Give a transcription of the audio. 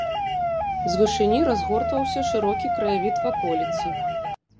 З вышыні разгортваўся шырокі краявід ваколіцы.